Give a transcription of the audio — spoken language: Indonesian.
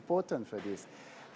penting untuk ini